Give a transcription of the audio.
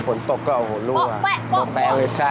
ผลตกก็โอ้โฮรู้อ่ะมองแปลงเลยใช่